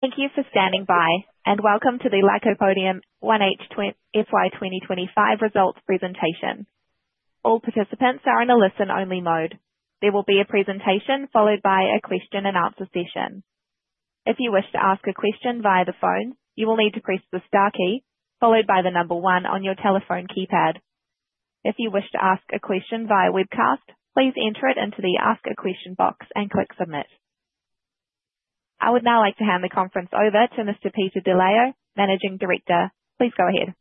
Thank you for standing by, and welcome to the Lycopodium FY 2025 results presentation. All participants are in a listen-only mode. There will be a presentation followed by a question-and-answer session. If you wish to ask a question via the phone, you will need to press the star key, followed by the number one on your telephone keypad. If you wish to ask a question via webcast, please enter it into the Ask a Question box and click Submit. I would now like to hand the conference over to Mr. Peter De Leo, Managing Director. Please go ahead.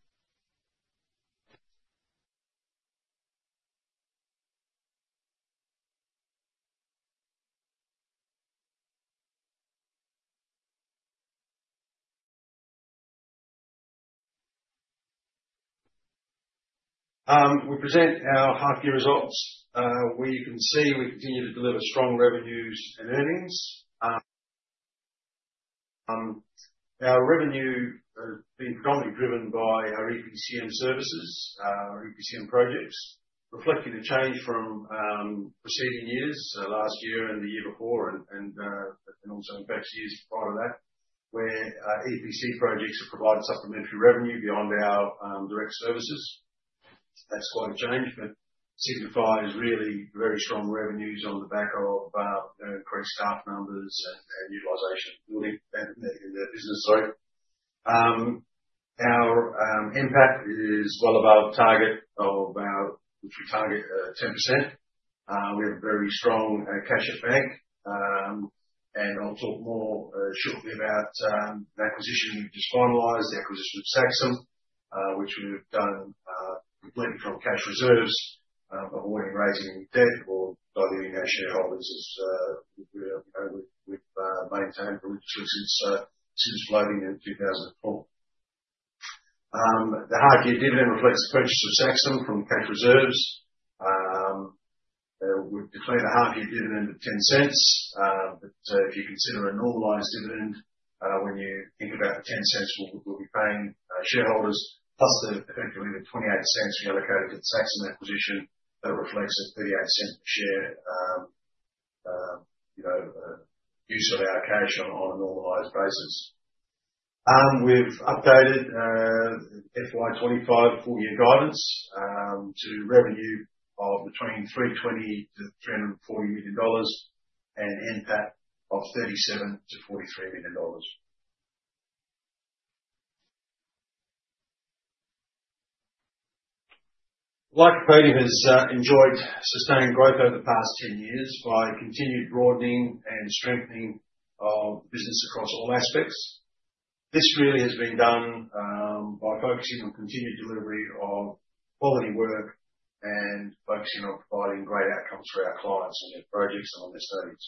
We present our half-year results, where you can see we continue to deliver strong revenues and earnings. Our revenue has been predominantly driven by our EPCM services, our EPCM projects, reflecting a change from preceding years, last year and the year before, and also, in fact, years prior to that, where EPC projects have provided supplementary revenue beyond our direct services. That's quite a change, but signifies really very strong revenues on the back of increased staff numbers and utilization in the business zone. Our impact is well above target, which we target 10%. We have a very strong cash at bank, and I'll talk more shortly about the acquisition we've just finalized, the acquisition of Saxum, which we've done completely from cash reserves, avoiding raising any debt or diluting our shareholders as we've maintained the liquidity since floating in 2004. The half-year dividend reflects the purchase of Saxum from cash reserves. We've declared a half-year dividend of 0.10, but if you consider a normalized dividend, when you think about the 0.10 we'll be paying shareholders, plus effectively the 0.28 we allocated to the Saxum acquisition, that reflects a 0.38 per share use of allocation on a normalized basis. We've updated FY 25 full-year guidance to revenue of between 320-340 million dollars and EBITDA of 37-43 million dollars. Lycopodium has enjoyed sustained growth over the past 10 years by continued broadening and strengthening of business across all aspects. This really has been done by focusing on continued delivery of quality work and focusing on providing great outcomes for our clients on their projects and on their studies.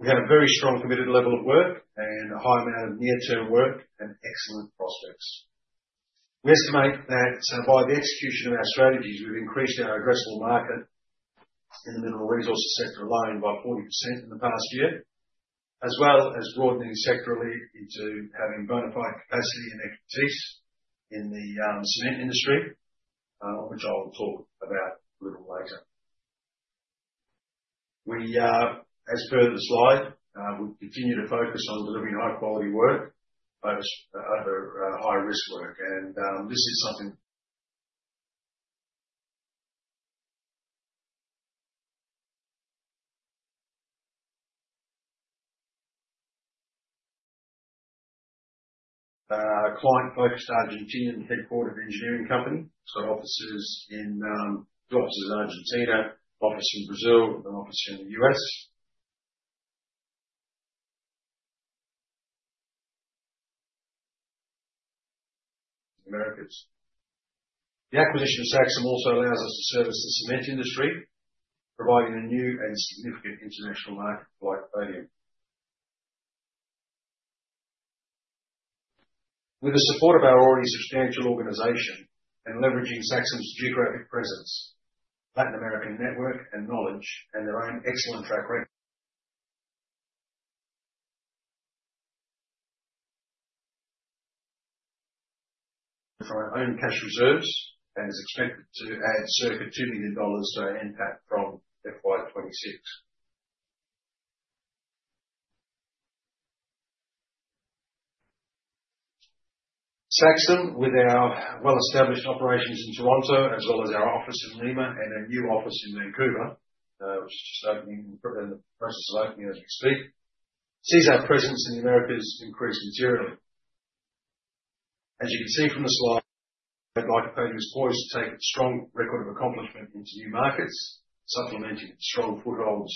We have a very strong, committed level of work and a high amount of near-term work and excellent prospects. We estimate that by the execution of our strategies, we've increased our addressable market in the mineral resources sector alone by 40% in the past year, as well as broadening sectorally into having bona fide capacity and expertise in the cement industry, which I'll talk about a little later. As per the slide, we continue to focus on delivering high-quality work, focused over high-risk work, and this is something. Client-focused Argentine-headquartered engineering company. So, two offices in Argentina, one office in Brazil, one office in the U.S., Americas. The acquisition of Saxum also allows us to service the cement industry, providing a new and significant international market for Lycopodium. With the support of our already substantial organization and leveraging Saxum's geographic presence, Latin American network and knowledge, and their own excellent track record from our own cash reserves, and is expected to add circa 2 million dollars to our impact from FY 26. Saxum, with our well-established operations in Toronto, as well as our office in Lima and a new office in Vancouver, which is just opening and in the process of opening as we speak, sees our presence in the Americas increase materially. As you can see from the slide, Lycopodium is poised to take a strong record of accomplishment into new markets, supplementing strong footholds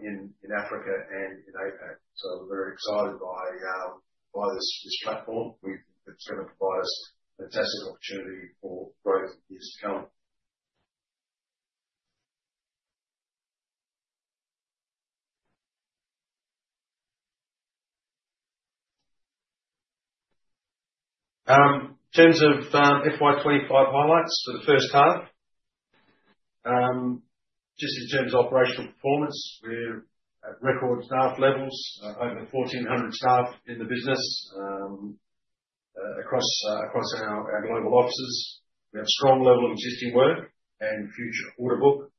in Africa and in APAC. So we're very excited by this platform. It's going to provide us a fantastic opportunity for growth in years to come. In terms of FY 25 highlights for the first half, just in terms of operational performance, we're at record staff levels, over 1,400 staff in the business across our global offices. We have a strong level of existing work and future order book.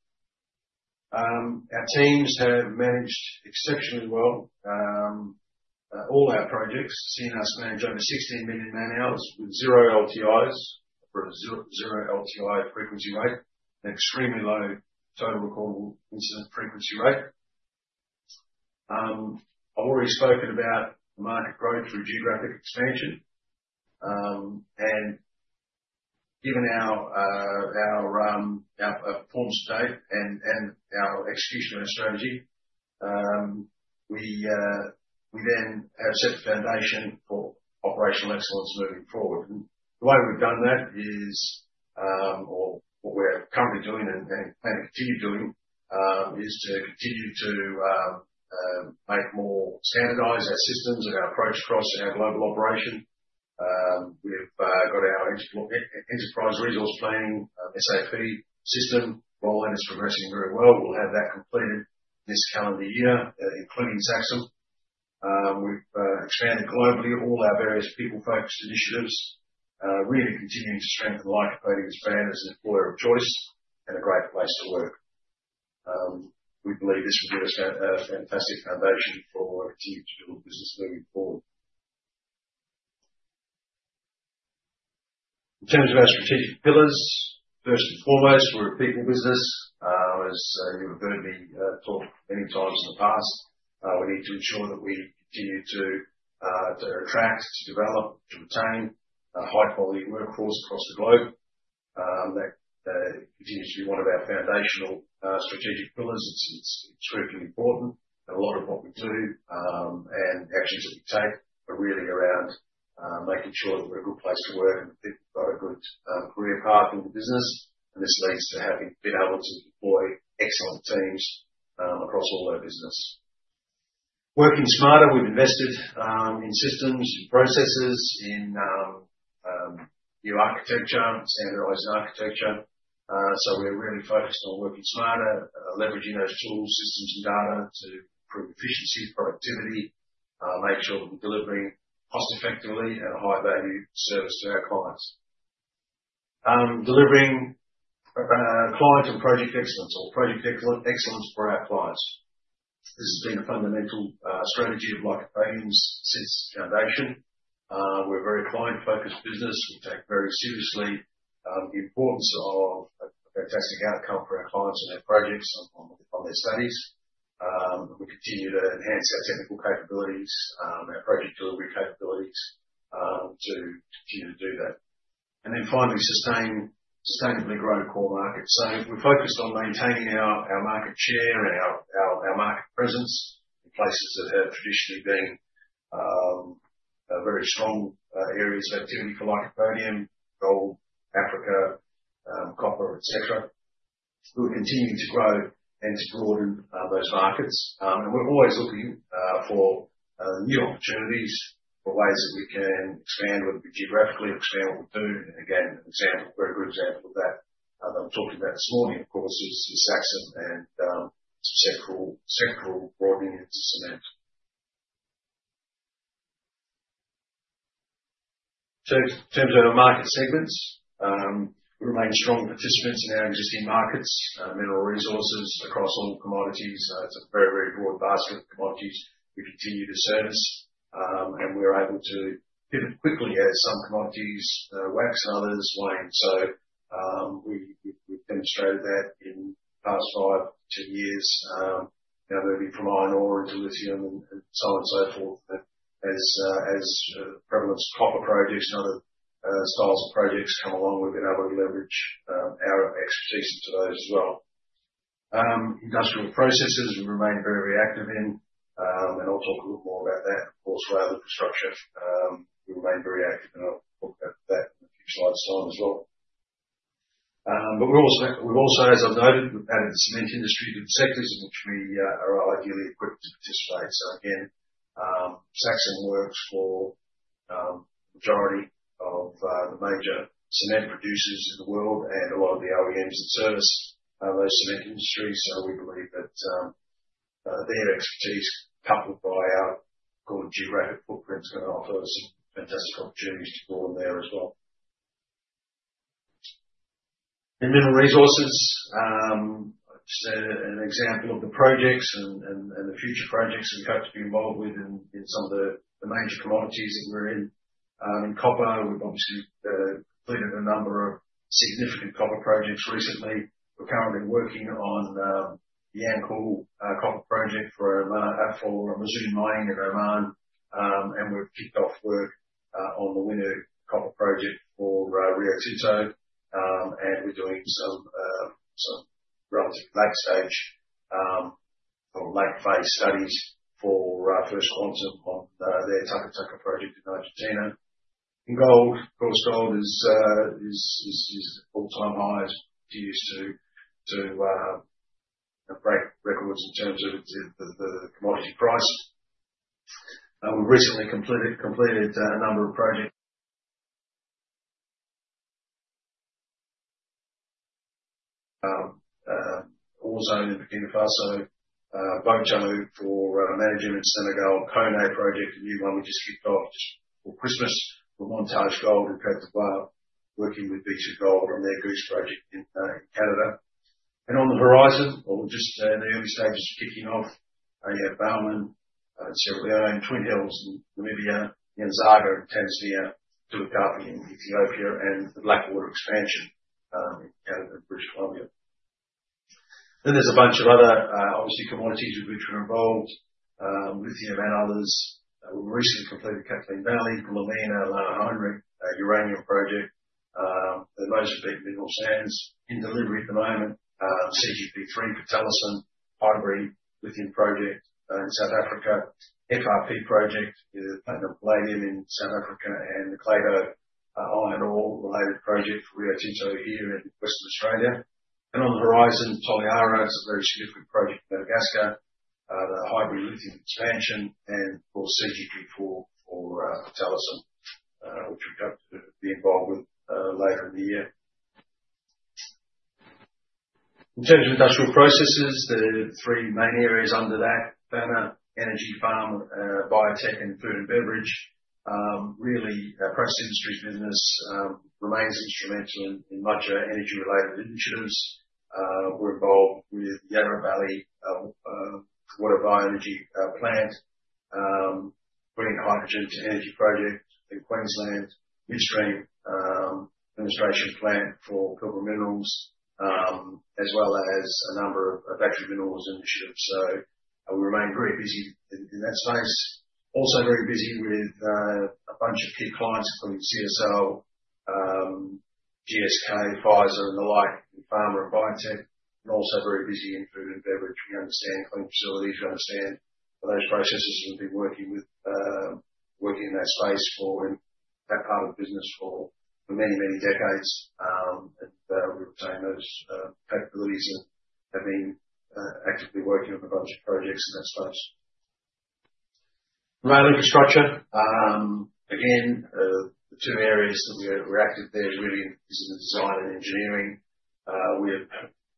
Our teams have managed exceptionally well all our projects, seeing us manage over 16 million man-hours with zero LTIs, zero LTI frequency rate, and extremely low total recordable incident frequency rate. I've already spoken about the market growth through geographic expansion, and given our performance state and our execution of our strategy, we then have set the foundation for operational excellence moving forward, and the way we've done that is, or what we're currently doing and plan to continue doing, is to continue to make more standardized our systems and our approach across our global operation. We've got our enterprise resource planning SAP system rolling, and it's progressing very well. We'll have that completed this calendar year, including Saxum. We've expanded globally all our various people-focused initiatives, really continuing to strengthen Lycopodium as a brand as an employer of choice and a great place to work. We believe this will give us a fantastic foundation for continuing to build business moving forward. In terms of our strategic pillars, first and foremost, we're a people business. As you've heard me talk many times in the past, we need to ensure that we continue to attract, to develop, to retain a high-quality workforce across the globe. That continues to be one of our foundational strategic pillars. It's critically important. A lot of what we do and actions that we take are really around making sure that we're a good place to work and that people have got a good career path in the business, and this leads to having been able to deploy excellent teams across all our business. Working smarter, we've invested in systems, in processes, in new architecture, standardized architecture. So we're really focused on working smarter, leveraging those tools, systems, and data to improve efficiency, productivity, make sure that we're delivering cost-effectively and a high-value service to our clients. Delivering client and project excellence, or project excellence for our clients. This has been a fundamental strategy of Lycopodium's since foundation. We're a very client-focused business. We take very seriously the importance of a fantastic outcome for our clients and their projects on their studies. We continue to enhance our technical capabilities, our project delivery capabilities to continue to do that. And then finally, sustainably growing core markets. So we're focused on maintaining our market share and our market presence in places that have traditionally been very strong areas of activity for Lycopodium: gold, Africa, copper, etc. We're continuing to grow and to broaden those markets. And we're always looking for new opportunities for ways that we can expand what we do geographically, expand what we do. And again, a very good example of that that we're talking about this morning, of course, is Saxum and some sectoral broadening into cement. In terms of our market segments, we remain strong participants in our existing markets, mineral resources across all commodities. It's a very, very broad basket of commodities we continue to service, and we're able to pivot quickly as some commodities wax and others wane. So we've demonstrated that in the past five to 10 years, moving from iron ore into lithium and so on and so forth. As prevalence of copper projects and other styles of projects come along, we've been able to leverage our expertise into those as well. Industrial processes we remain very active in, and I'll talk a little more about that, of course, via the infrastructure. We remain very active in that in a few slides' time as well. But we've also, as I've noted, we've added the cement industry to the sectors in which we are ideally equipped to participate. So again, Saxum works for the majority of the major cement producers in the world and a lot of the OEMs that service those cement industries. We believe that their expertise, coupled by our core geographic footprint, is going to offer some fantastic opportunities to grow in there as well. In mineral resources, I'll just say an example of the projects and the future projects we hope to be involved with in some of the major commodities that we're in. In copper, we've obviously completed a number of significant copper projects recently. We're currently working on the Yanqul copper project for Aful and Mazoon Mining in Oman, and we've kicked off work on the Winu copper project for Rio Tinto. We're doing some relative backstage or late-phase studies for First Quantum on their Taca Taca project in Argentina. In gold, of course, gold is at all-time highs. It continues to break records in terms of the commodity price. We've recently completed a number of projects, also in Burkina Faso, Boto for Managem, Koné project, a new one we just kicked off just before Christmas. We've Montage Gold in Côte d'Ivoire, working with B2Gold on their Goose Project in Canada. And on the horizon, or just in the early stages, kicking off Baomahun in Sierra Leone, Twin Hills in Namibia, Nyanzaga, Tanzania, Tulu Kapi in Ethiopia, and the Blackwater expansion in Canada, British Columbia. Then there's a bunch of other obviously commodities with which we're involved, lithium and others. We've recently completed Kathleen Valley, Goulamina, Langer Heinrich uranium project. The biggest mineral sands in delivery at the moment, CGP3 for Talison, Ivory lithium project in South Africa, FRP project with Pilanesberg in South Africa, and the Clayton iron ore related project for Rio Tinto here in Western Australia. On the horizon, Toliara is a very significant project in Madagascar, the hybrid lithium expansion, and of course, CGP4 for Talison, which we've got to be involved with later in the year. In terms of industrial processes, the three main areas under that banner, energy, pharma, biotech, and food and beverage, really our process industries business remains instrumental in much of our energy-related initiatives. We're involved with Yarra Valley Water bioenergy plant, green hydrogen to ammonia project in Queensland, midstream ammoniation plant for copper minerals, as well as a number of battery minerals initiatives. So we remain very busy in that space. Also very busy with a bunch of key clients, including CSL, GSK, Pfizer, and the like, pharma and biotech, and also very busy in food and beverage. We understand clean facilities. We understand those processes and have been working in that space for that part of the business for many, many decades, and we retain those capabilities and have been actively working on a bunch of projects in that space. Rural infrastructure. Again, the two areas that we're active there really is in the design and engineering. We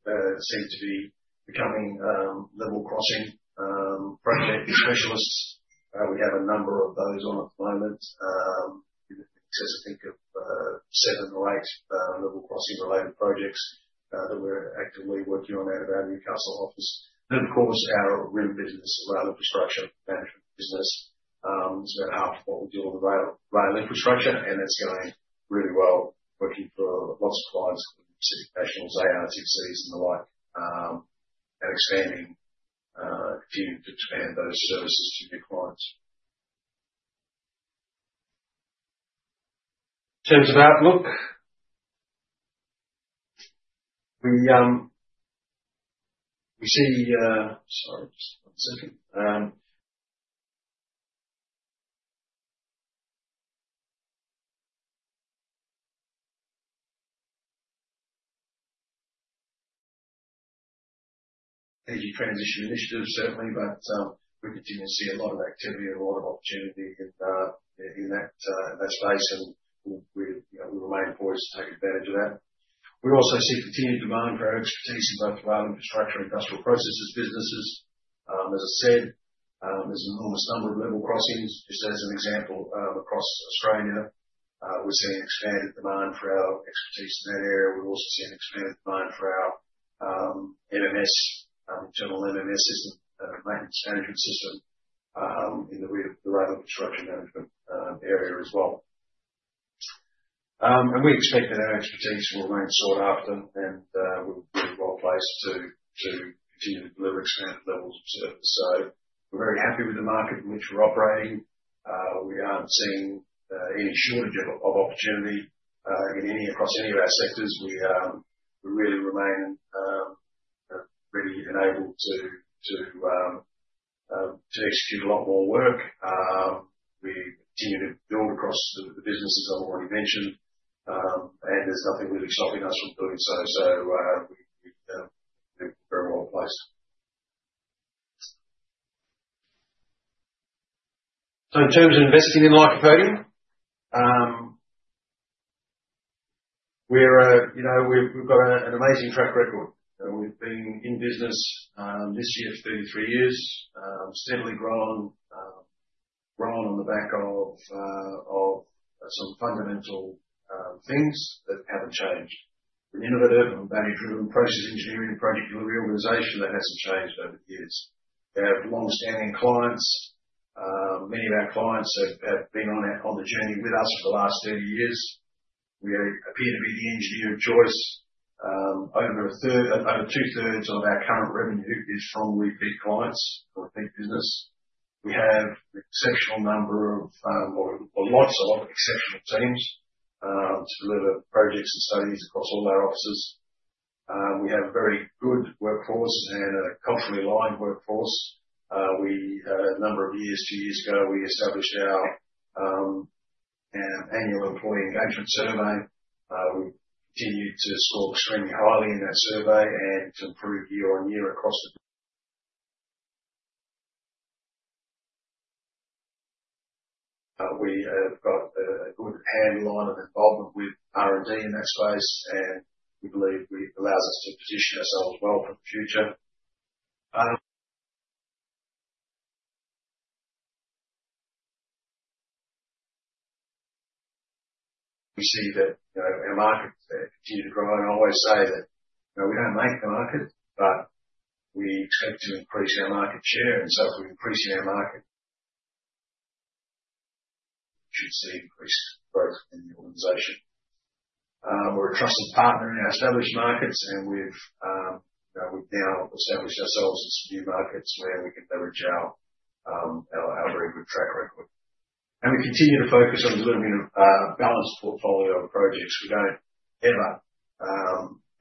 seem to be becoming level crossing project specialists. We have a number of those on at the moment. It's just a thing of seven or eight level crossing-related projects that we're actively working on out of our Newcastle office, and of course, our RIM business, rural infrastructure management business, is about half of what we do on the rural infrastructure, and that's going really well, working for lots of clients including Pacific National, ARTC, and the like, and expanding those services to new clients. In terms of outlook, we see, sorry, just one second. Energy transition initiatives, certainly, but we continue to see a lot of activity and a lot of opportunity in that space, and we remain poised to take advantage of that. We also see continued demand for our expertise in both the rural infrastructure and industrial processes businesses. As I said, there's an enormous number of level crossings. Just as an example, across Australia, we're seeing expanded demand for our expertise in that area. We're also seeing expanded demand for our MMS, internal MMS, maintenance management system in the rural infrastructure management area as well. And we expect that our expertise will remain sought after, and we're well placed to continue to deliver expanded levels of service. So we're very happy with the market in which we're operating. We aren't seeing any shortage of opportunity across any of our sectors. We really remain ready and able to execute a lot more work. We continue to build across the businesses I've already mentioned, and there's nothing really stopping us from doing so. So we're very well placed. So in terms of investing in Lycopodium, we've got an amazing track record. We've been in business this year for 33 years, steadily growing on the back of some fundamental things that haven't changed. We're an innovative and value-driven process engineering project delivery organization that hasn't changed over the years. We have long-standing clients. Many of our clients have been on the journey with us for the last 30 years. We appear to be the engineer of choice. Over two-thirds of our current revenue is from repeat clients or repeat business. We have an exceptional number of, or lots of exceptional teams to deliver projects and studies across all our offices. We have a very good workforce and a culturally aligned workforce. A number of years, two years ago, we established our annual employee engagement survey. We continue to score extremely highly in that survey and to improve year on year across the. We have got a good handle on and involvement with R&D in that space, and we believe it allows us to position ourselves well for the future. We see that our markets continue to grow. And I always say that we don't make the market, but we expect to increase our market share. And so if we're increasing our market, we should see increased growth in the organization. We're a trusted partner in our established markets, and we've now established ourselves in some new markets where we can leverage our very good track record. And we continue to focus on delivering a balanced portfolio of projects. We don't ever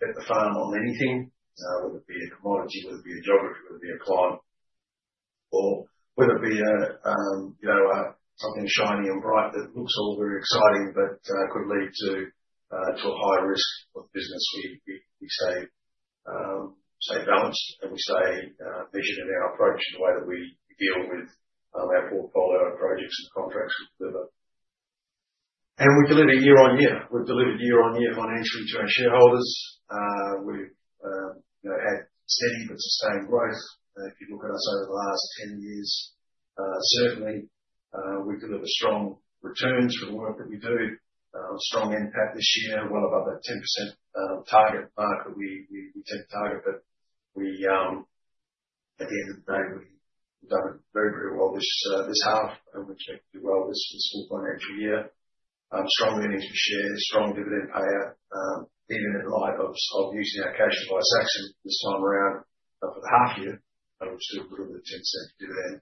bet the farm on anything, whether it be a commodity, whether it be a geography, whether it be a client, or whether it be something shiny and bright that looks all very exciting but could lead to a high risk for the business. We stay balanced, and we stay visionary in our approach and the way that we deal with our portfolio of projects and contracts we deliver, and we deliver year on year. We've delivered year on year financially to our shareholders. We've had steady but sustained growth. If you look at us over the last 10 years, certainly, we deliver strong returns for the work that we do. Strong impact this year, well above that 10% target mark that we tend to target. But at the end of the day, we've done very, very well this half, and we expect to do well this full financial year. Strong earnings per share, strong dividend payout, even in light of using our cash supply section this time around for the half year, which delivered a 10% dividend.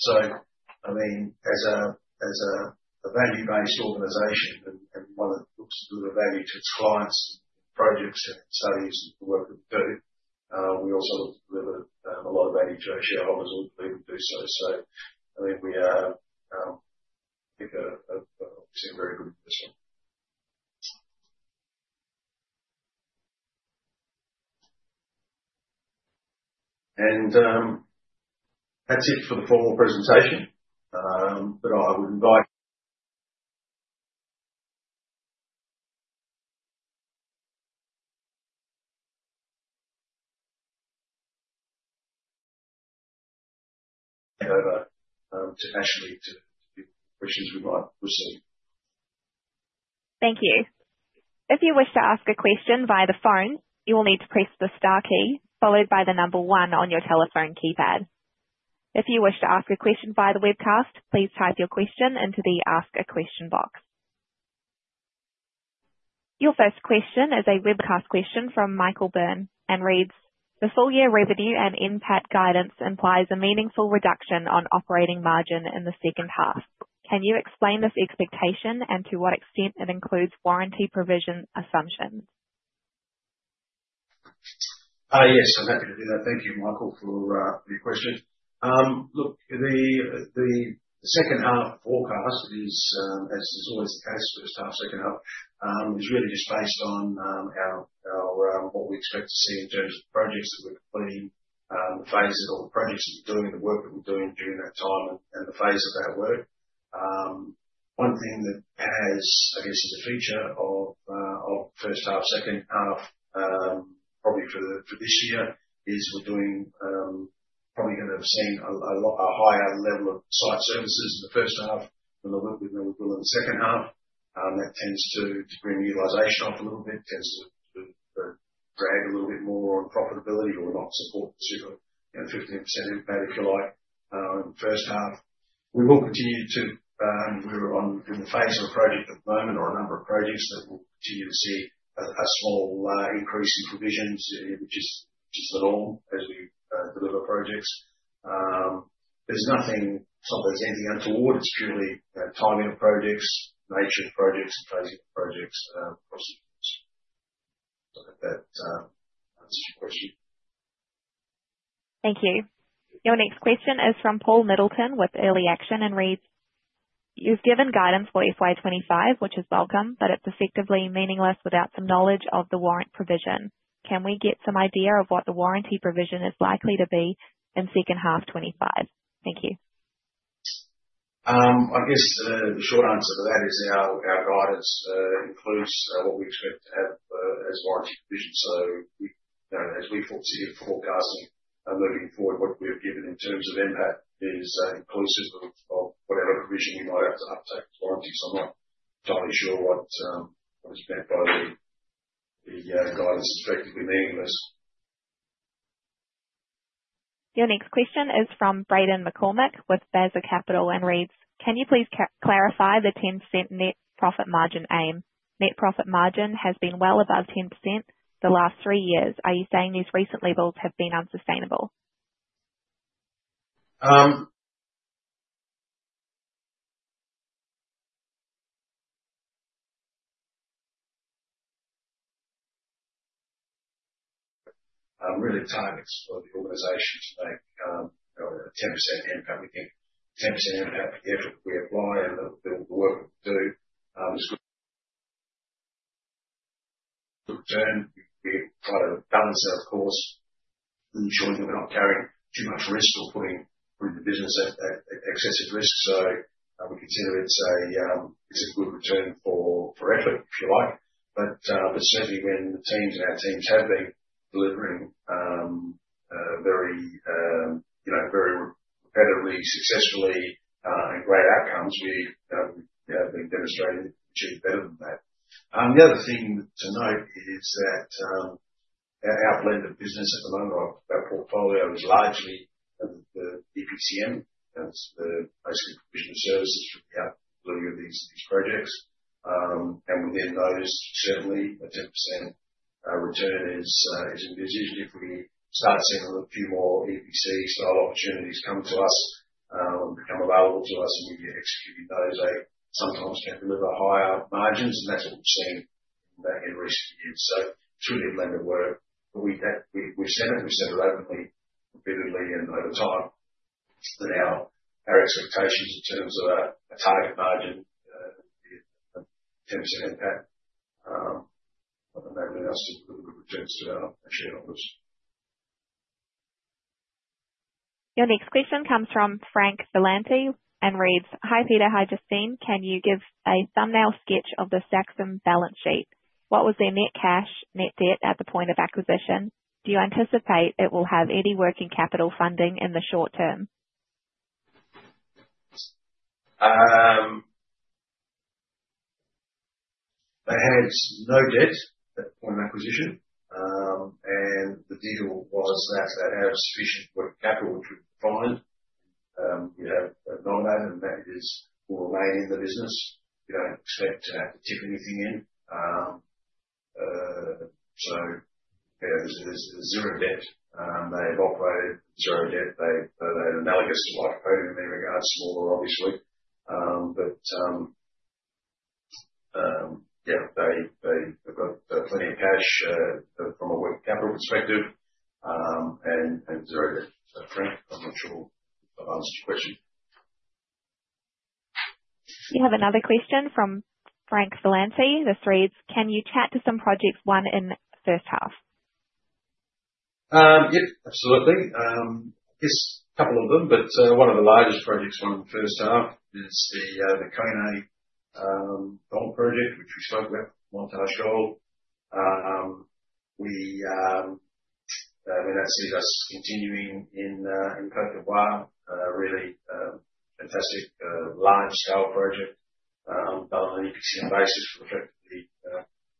So I mean, as a value-based organization and one that looks to deliver value to its clients and projects and studies and the work that we do, we also look to deliver a lot of value to our shareholders. We believe we do so. So I mean, we've got a very good investment. And that's it for the formal presentation. But I would invite Ashley to give questions we might receive. Thank you. If you wish to ask a question via the phone, you will need to press the star key followed by the number one on your telephone keypad. If you wish to ask a question via the webcast, please type your question into the ask a question box. Your first question is a webcast question from Michael Byrne and reads, "The full year revenue and NPAT guidance implies a meaningful reduction on operating margin in the second half. Can you explain this expectation and to what extent it includes warranty provision assumptions? Yes, I'm happy to do that. Thank you, Michael, for your question. Look, the second half forecast is, as is always the case for this half, second half, is really just based on what we expect to see in terms of projects that we're completing, the phases of the projects that we're doing, the work that we're doing during that time, and the phase of that work. One thing that has, I guess, is a feature of first half, second half, probably for this year, is we're probably going to have seen a higher level of site services in the first half than we will in the second half. That tends to bring utilization up a little bit, tends to drag a little bit more on profitability or not support 15% impact, if you like, in the first half. We're in the phase of a project at the moment or a number of projects that we'll continue to see a small increase in provisions, which is the norm as we deliver projects. There's nothing untoward. It's purely timing of projects, nature of projects, and phasing of projects across the years. So I hope that answers your question. Thank you. Your next question is from Paul Middleton with Ellerston Capital and reads, "You've given guidance for FY25, which is welcome, but it's effectively meaningless without some knowledge of the warranty provision. Can we get some idea of what the warranty provision is likely to be in second half '25?" Thank you. I guess the short answer to that is our guidance includes what we expect to have as warranty provision. So as we foresee it forecasting moving forward, what we've given in terms of impact is inclusive of whatever provision we might have to update warranty. So I'm not entirely sure what is meant by "the guidance is effectively meaningless. Your next question is from Braden McCormick with Veritas Securities and reads, "Can you please clarify the 10% net profit margin aim? Net profit margin has been well above 10% the last three years. Are you saying these recent levels have been unsustainable? Really, timing for the organization to make a 10% impact. We think 10% impact with the effort we apply and the work we do is good. We try to balance our course and ensure that we're not carrying too much risk or putting the business at excessive risk, so we consider it's a good return for effort, if you like, but certainly, when the teams and our teams have been delivering very repetitively, successfully, and great outcomes, we have been demonstrating achieving better than that. The other thing to note is that our blended business at the moment of our portfolio is largely the EPCM. It's basically provision of services for the output of these projects, and within those, certainly, a 10% return is envisioned. If we start seeing a few more EPC-style opportunities come to us, become available to us, and we execute those, they sometimes can deliver higher margins, and that's what we've seen in recent years. So it's really a blended work. But we've said it. We've said it openly, repeatedly, and over time that our expectations in terms of a target margin, 10% NPAT, and everything else to look at returns to our shareholders. Your next question comes from Frank Valenti and reads, "Hi Peter, hi Justine. Can you give a thumbnail sketch of the Saxum balance sheet? What was their net cash, net debt at the point of acquisition? Do you anticipate it will have any working capital funding in the short term? They had no debt at the point of acquisition, and the deal was that they had sufficient working capital which we could find. We have a no debt, and that will remain in the business. We don't expect to have to tip anything in. So there's zero debt. They've operated zero debt. They're analogous to Lycopodium in many regards, smaller, obviously. But yeah, they've got plenty of cash from a working capital perspective and zero debt. So Frank, I'm not sure if I've answered your question. We have another question from Frank Valenti. This reads, "Can you chat to some projects won in first half? Yep, absolutely. Just a couple of them, but one of the largest projects won in the first half is the Koné Gold Project, which we spoke about, Montage Gold. I mean, that sees us continuing in Côte d'Ivoire. Really fantastic large-scale project done on an EPCM basis for effectively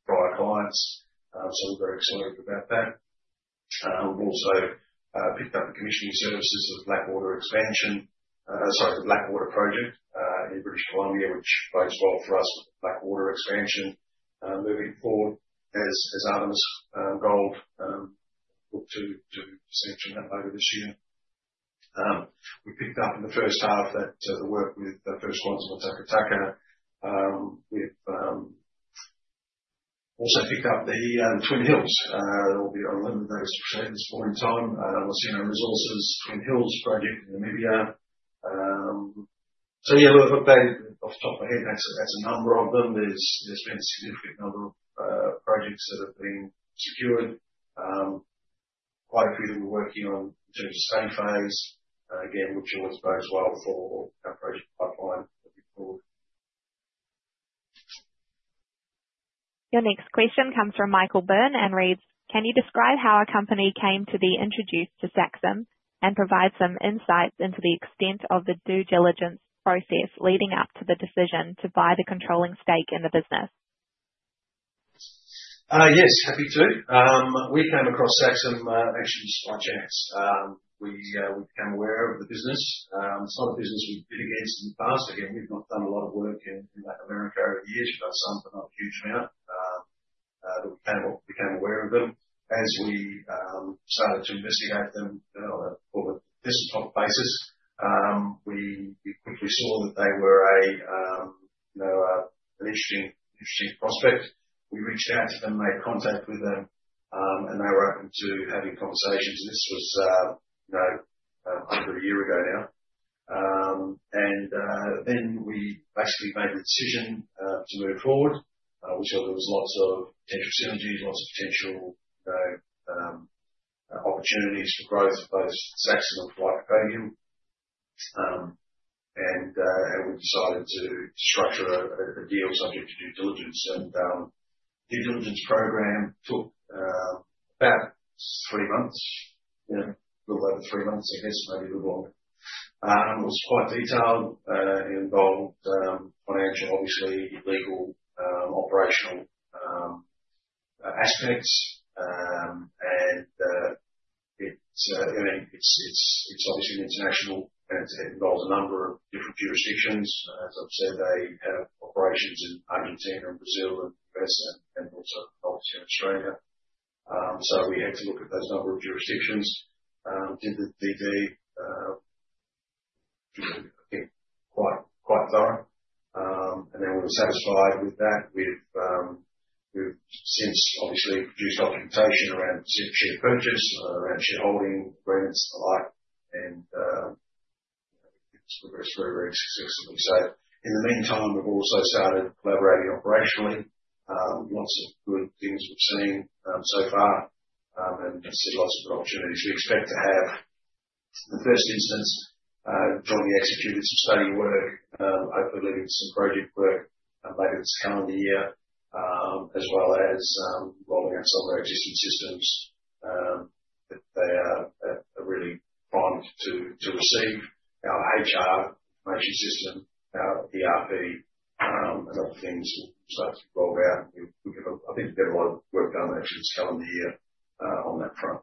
prior clients. So we're very excited about that. We've also picked up the commissioning services of Blackwater Expansion, sorry, the Blackwater Project in British Columbia, which bodes well for us with the Blackwater Expansion moving forward as Artemis Gold look to sanction that later this year. We picked up in the first half the work with First Quantum in Taca Taca. We've also picked up the Twin Hills. There will be a limited notice of share at this point in time. I've seen our resources, Twin Hills project in Namibia. So yeah, looking back off the top of my head, that's a number of them. There's been a significant number of projects that have been secured, quite a few that we're working on in terms of study phase, again, which always bodes well for our project pipeline moving forward. Your next question comes from Michael Byrne and reads, "Can you describe how a company came to be introduced to Saxum and provide some insights into the extent of the due diligence process leading up to the decision to buy the controlling stake in the business? Yes, happy to. We came across Saxum actually just by chance. We became aware of the business. It's not a business we've bid against in the past. Again, we've not done a lot of work in Latin America over the years. We've done some, but not a huge amount. But we became aware of them. As we started to investigate them on a business topic basis, we quickly saw that they were an interesting prospect. We reached out to them, made contact with them, and they were open to having conversations. And this was over a year ago now. And then we basically made the decision to move forward, which there was lots of potential synergies, lots of potential opportunities for growth, both Saxum and for Lycopodium. And we decided to structure a deal subject to due diligence. The due diligence program took about three months, a little over three months, I guess, maybe a little longer. It was quite detailed. It involved financial, obviously, legal, operational aspects. I mean, it's obviously international, and it involves a number of different jurisdictions. As I've said, they have operations in Argentina, Brazil, and the U.S., and also obviously in Australia. So we had to look at those number of jurisdictions. Tended to be quite thorough. Then we were satisfied with that. We've since, obviously, produced documentation around share purchase, around shareholding agreements, and the like. It's progressed very, very successfully. In the meantime, we've also started collaborating operationally. Lots of good things we've seen so far, and see lots of good opportunities. We expect to have, in the first instance, jointly executed some study work, hopefully leading to some project work later this calendar year, as well as rolling out some of our existing systems. They are really primed to receive our HR information system, our ERP, and other things will start to roll out. I think we've got a lot of work done actually this calendar year on that front.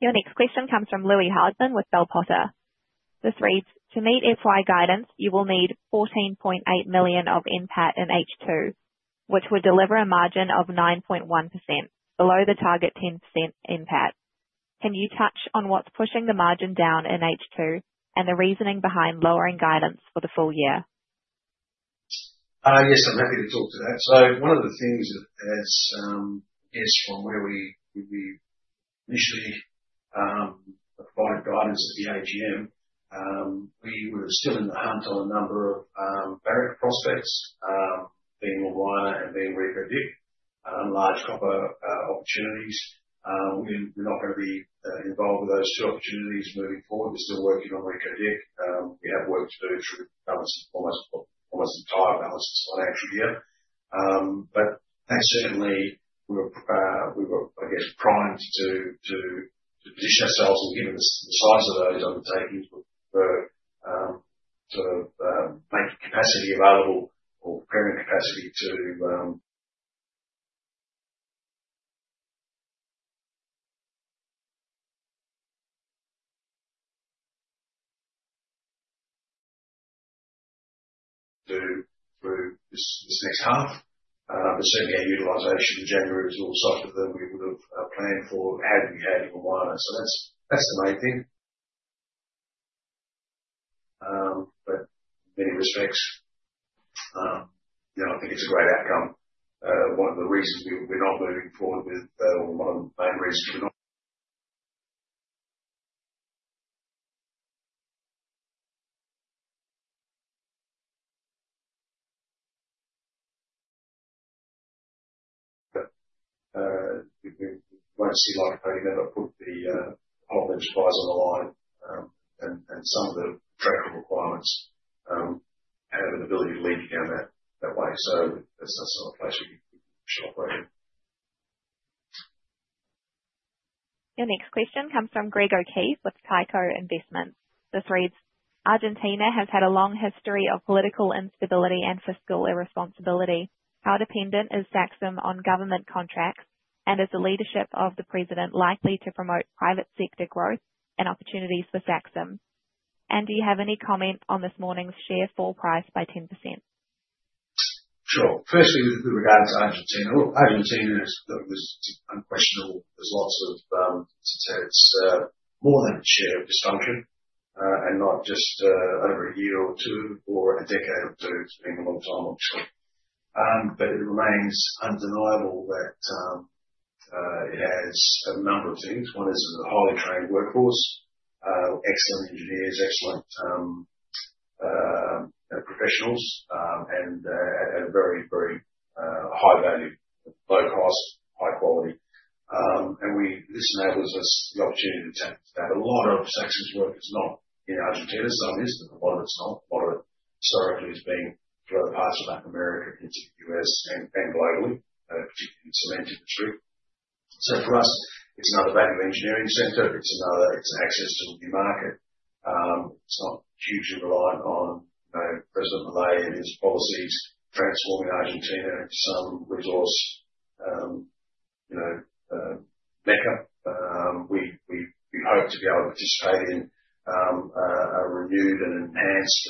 Your next question comes from Louis Hardin with Bell Potter. This reads, "To meet FY guidance, you will need 14.8 million of impact in H2, which would deliver a margin of 9.1%, below the target 10% impact. Can you touch on what's pushing the margin down in H2 and the reasoning behind lowering guidance for the full year? Yes, I'm happy to talk to that. So one of the things that has, I guess, from where we initially provided guidance at the AGM, we were still in the hunt on a number of barrier prospects, being Long Island and being Reko Diq, large copper opportunities. We're not going to be involved with those two opportunities moving forward. We're still working on Reko Diq. We have work to do through almost the entire balance of this financial year. But certainly, we were, I guess, primed to position ourselves. And given the size of those undertakings, we're sort of making capacity available or preparing capacity to do through this next half. But certainly, our utilization in January was a little softer than we would have planned for had we had Long Island. So that's the main thing. But in many respects, I think it's a great outcome. One of the main reasons we won't see Lycopodium ever put the whole enterprise on the line, and some of the tracking requirements have an ability to lead down that way, so that's not a place we can push Lycopodium. Your next question comes from Greg O'Keefe with Tycho Investments. This reads, "Argentina has had a long history of political instability and fiscal irresponsibility. How dependent is Saxum on government contracts? And is the leadership of the president likely to promote private sector growth and opportunities for Saxum? And do you have any comment on this morning's share fall price by 10%? Sure. Firstly, with regard to Argentina, look, Argentina is unquestionable. There's lots of, it's more than a share of dysfunction, and not just over a year or two or a decade or two, it's been a long time, obviously, but it remains undeniable that it has a number of things. One is a highly trained workforce, excellent engineers, excellent professionals, and at a very, very high value, low cost, high quality, and this enables us the opportunity to tap a lot of Saxum's work. It's not in Argentina. Some is, but a lot of it's not. A lot of it historically has been to other parts of Latin America, into the U.S., and globally, particularly in the cement industry. So for us, it's another value engineering center. It's access to a new market. It's not hugely reliant on President Milei and his policies transforming Argentina into some resource mecca. We hope to be able to participate in a renewed and enhanced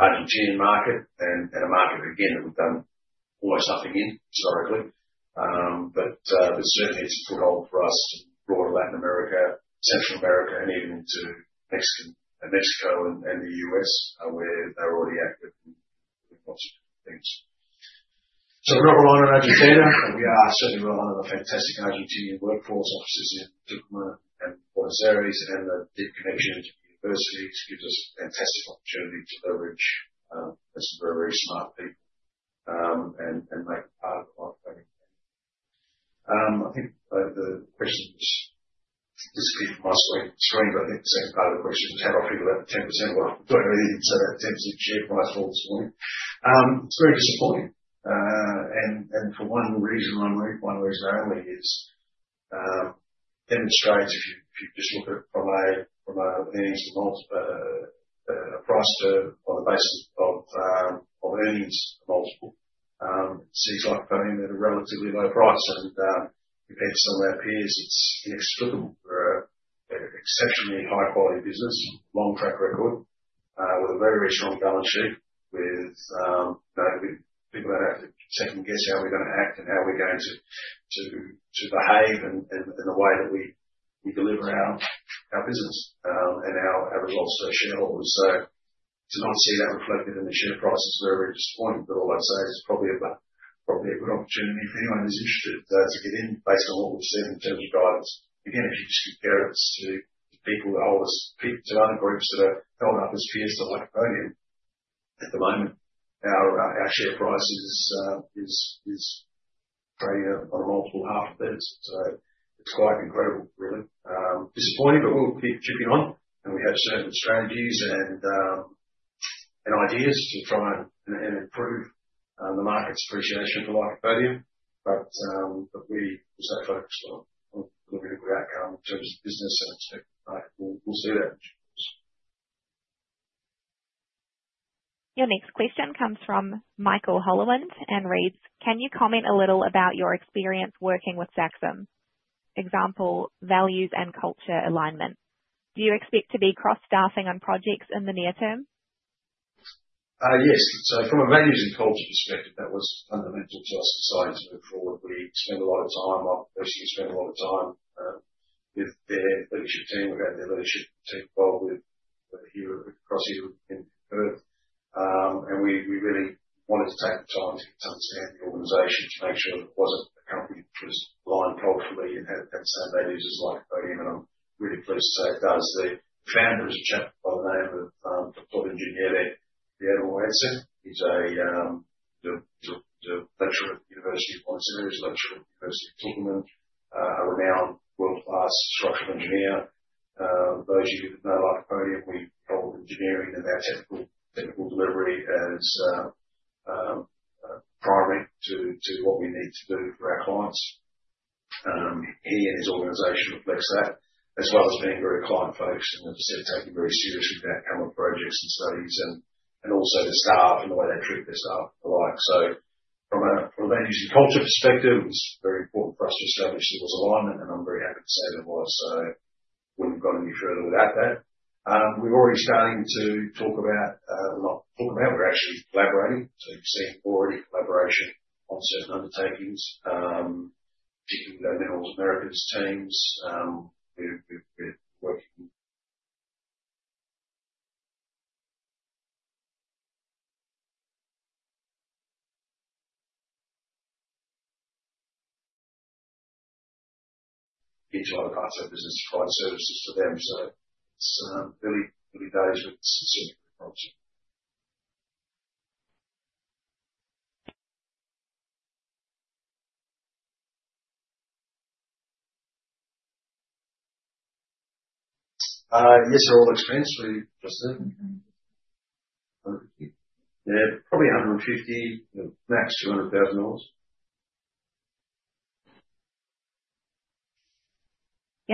Argentinian market and a market, again, that we've done almost nothing in historically. But certainly, it's a foothold for us to broader Latin America, Central America, and even to Mexico and the US, where they're already active in lots of things. So we're not relying on Argentina. We are certainly relying on the fantastic Argentinian workforce offices in Tucumán and Buenos Aires and the deep connection to the universities. It gives us fantastic opportunity to leverage some very, very smart people and make a part of Lycopodium. I think the question was disappeared from my screen, but I think the second part of the question was, "How do I figure out the 10%?" Well, I don't know anything except that 10% share price for this morning. It's very disappointing. For one reason only, one reason only, it demonstrates if you just look at it from an earnings to multiple price on the basis of earnings to multiple, it seems Lycopodium at a relatively low price, and compared to some of our peers, it's inexplicable. They're an exceptionally high-quality business, long track record, with a very, very strong balance sheet without people that have to second-guess how we're going to act and how we're going to behave in the way that we deliver our business and our results to our shareholders, so to not see that reflected in the share price is very, very disappointing, but all I'd say is it's probably a good opportunity for anyone who's interested to get in based on what we've seen in terms of guidance. Again, if you just compare us to other groups that are held up as peers to Lycopodium at the moment, our share price is trading on a multiple half EV/EBITDA. It's quite incredible, really. Disappointing. We'll keep chipping away. We have certain strategies and ideas to try and improve the market's appreciation for Lycopodium. We'll stay focused on a really good outcome in terms of business, and we'll see that. Your next question comes from Michael Holland and reads, "Can you comment a little about your experience working with Saxum? Example, values and culture alignment. Do you expect to be cross-staffing on projects in the near term? Yes. From a values and culture perspective, that was fundamental to us deciding to move forward. We spent a lot of time. I basically spent a lot of time with their leadership team. We've had their leadership team involved with across Europe and the world. We really wanted to take the time to understand the organization to make sure that it wasn't a company that was lying cold for me and had the same values as Lycopodium. I'm really pleased to say it does. The founder is a chap by the name of Dr. Javier de la Hermosa. He's a lecturer at the University of Buenos Aires, a lecturer at the University of Tucumán, a renowned world-class structural engineer. Those of you that know Lycopodium, we hold engineering and our technical delivery as primary to what we need to do for our clients. He and his organization reflects that, as well as being very client-focused and taking very seriously the outcome of projects and studies and also the staff and the way they treat their staff alike. So from a values and culture perspective, it was very important for us to establish there was alignment, and I'm very happy to say there was. So we haven't got any further without that. We're already starting to talk about, well, not talk about. We're actually collaborating. So you've seen already collaboration on certain undertakings, particularly with our Middle North Americans teams. We're working into other parts of our business to provide services for them. So it's really engaged with specific approach. Yes, they're all expense. We just said. Yeah, probably AUD 150,000, max AUD 200,000. Your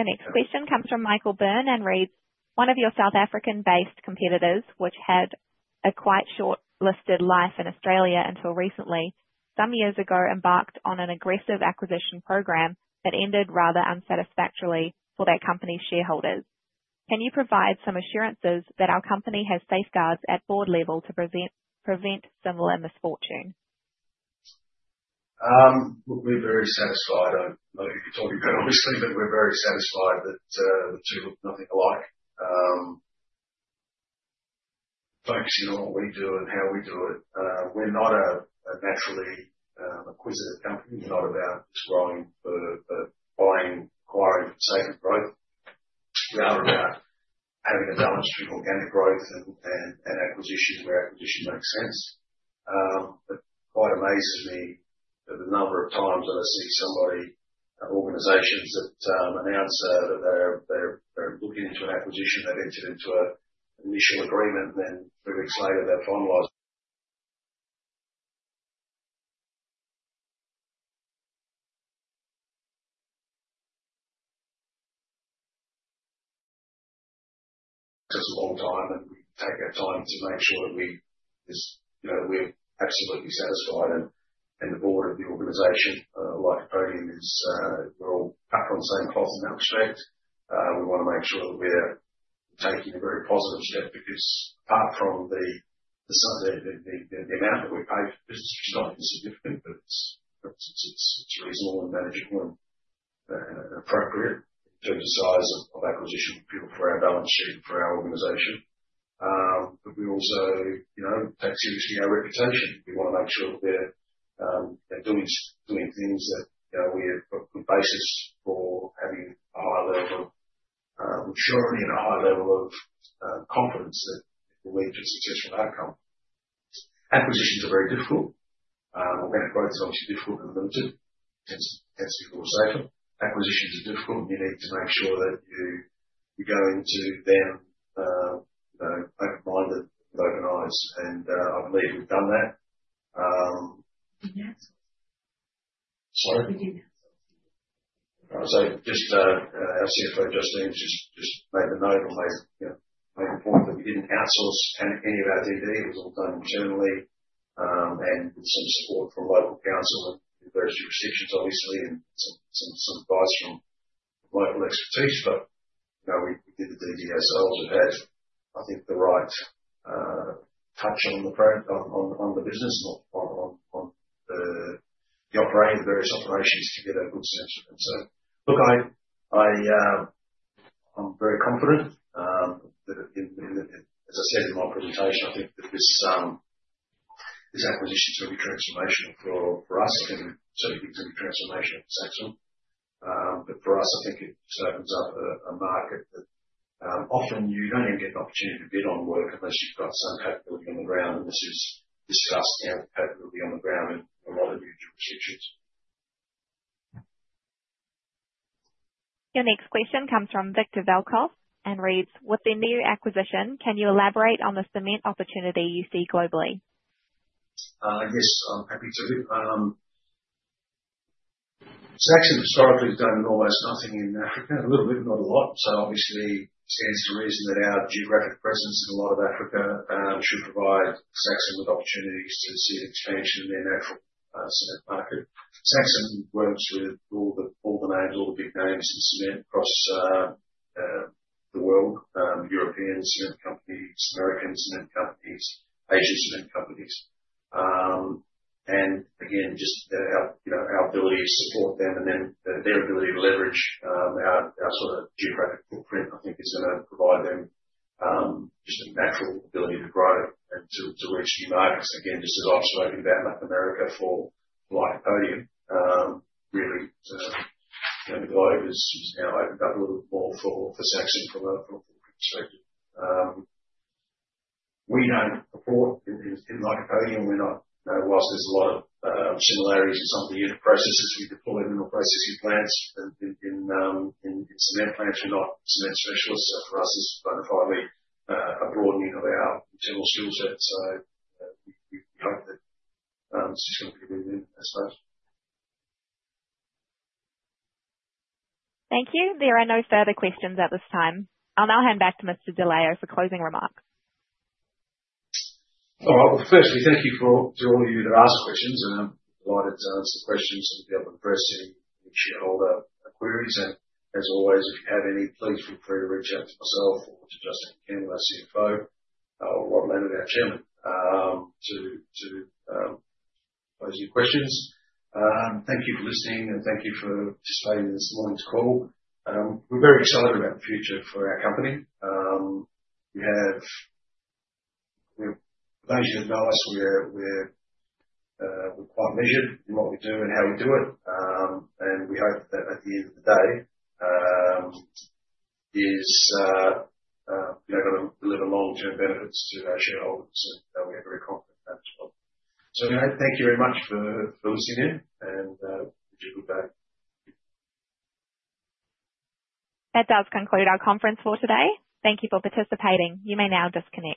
next question comes from Michael Byrne and reads, "One of your South African-based competitors, which had a quite short-lived life in Australia until recently, some years ago embarked on an aggressive acquisition program that ended rather unsatisfactorily for their company's shareholders. Can you provide some assurances that our company has safeguards at board level to prevent similar misfortune? We're very satisfied. I don't know who you're talking about, obviously, but we're very satisfied that the two look nothing alike. Focusing on what we do and how we do it. We're not a naturally acquisitive company. We're not about just growing for buying, acquiring for the sake of growth. We are about having a balance between organic growth and acquisition where acquisition makes sense, but it quite amazes me the number of times that I see somebody, organizations that announce that they're looking into an acquisition, they've entered into an initial agreement, and then three weeks later they've finalized just a long time, and we take our time to make sure that we're absolutely satisfied, and the board of the organization, Lycopodium, we're all cut from the same cloth in that respect. We want to make sure that we're taking a very positive step because apart from the amount that we pay for business, which is not insignificant, but it's reasonable and manageable and appropriate in terms of size of acquisition for our balance sheet and for our organization. But we also take seriously our reputation. We want to make sure that they're doing things that we have got good basis for having a high level of maturity and a high level of confidence that it will lead to a successful outcome. Acquisitions are very difficult. Organic growth is obviously difficult and limited. It tends to be a little safer. Acquisitions are difficult, and you need to make sure that you go into them open-minded, with open eyes, and I believe we've done that. We didn't outsource. Sorry? We didn't outsource. Our CFO, Justine, just made the note or made the point that we didn't outsource any of our DD. It was all done internally and with some support from local council and various jurisdictions, obviously, and some advice from local expertise. But we did the DD ourselves. We've had, I think, the right touch on the business and on the operation, the various operations to get a good sense of it. Look, I'm very confident that, as I said in my presentation, I think that this acquisition is going to be transformational for us and certainly things are going to be transformational for Saxum. But for us, I think it just opens up a market that often you don't even get an opportunity to bid on work unless you've got some capability on the ground. This is discussed now with capability on the ground in a lot of new jurisdictions. Your next question comes from Victor Velco and reads, "With the new acquisition, can you elaborate on the cement opportunity you see globally? Yes, I'm happy to. Saxum historically has done almost nothing in Africa, a little bit, not a lot. So obviously, it stands to reason that our geographic presence in a lot of Africa should provide Saxum with opportunities to see an expansion in their natural cement market. Saxum works with all the names, all the big names in cement across the world: European cement companies, American cement companies, Asian cement companies. And again, just our ability to support them and then their ability to leverage our sort of geographic footprint, I think, is going to provide them just a natural ability to grow and to reach new markets. Again, just as I've spoken about, Latin America for Lycopodium, really, the globe has now opened up a little bit more for Saxum from a footprint perspective. We don't report in Lycopodium. While there's a lot of similarities in some of the unit processes we deploy in the processing plants and in cement plants, we're not cement specialists. So for us, it's kind of highly a broadening of our internal skill set. So we hope that it's just going to be a win-win as such. Thank you. There are no further questions at this time. I'll now hand back to Mr. De Leo for closing remarks. All right. Well, firstly, thank you to all of you that asked questions, and I'm delighted to answer questions and be able to address any shareholder queries, and as always, if you have any, please feel free to reach out to myself or to Justine McKeon, our CFO, or Rob Landau, our chairman, to pose your questions. Thank you for listening, and thank you for participating in this morning's call. We're very excited about the future for our company. As you know, we're quite measured in what we do and how we do it, and we hope that at the end of the day, it's going to deliver long-term benefits to our shareholders, and we're very confident in that as well, so thank you very much for listening in, and have a good day. That does conclude our conference for today. Thank you for participating. You may now disconnect.